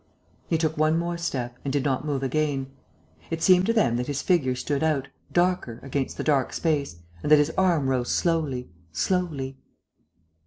He took one more step and did not move again. It seemed to them that his figure stood out, darker, against the dark space and that his arm rose slowly, slowly....